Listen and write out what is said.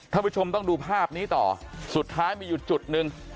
ท่านผู้ชมต้องดูภาพนี้ต่อสุดท้ายมีอยู่จุดหนึ่ง